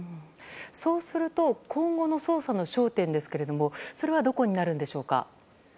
そうすると今後の捜査の焦点ですがそれはどこになるんでしょうか。